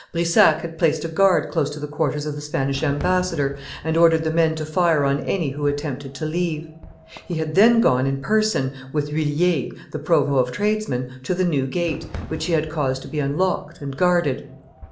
Brissac had placed a guard close to the quarters of the Spanish ambassador, and ordered the men to fire on any who attempted to leave. He had then gone in person, with L'Huillier, the provost of tradesmen, to the New Gate, which he had caused to be unlocked and guarded.